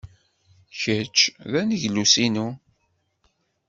Kečč d aneglus-inu.